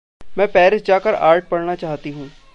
मैं पैरिस जाकर आर्ट पढ़ना चाहती हूँ।